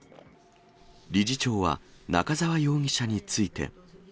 理事長は、中沢容疑者について。